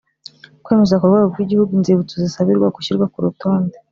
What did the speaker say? Kwemeza ku rwego rw igihugu inzibutso zisabirwa gushyirwa ku rutonde